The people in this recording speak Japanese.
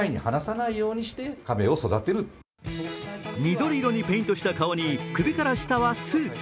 緑色にプリントした顔に首から下はスーツ。